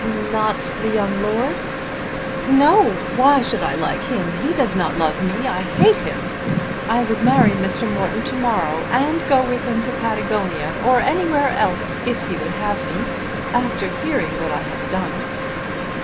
"Not the young lord?" "No! why should I like him? He does not love me. I hate him. I would marry Mr. Morton to morrow, and go with him to Patagonia, or anywhere else, if he would have me after hearing what I have done."